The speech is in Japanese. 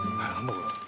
これ。